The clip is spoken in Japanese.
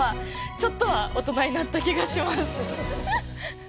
ちょっとは大人になった気がします。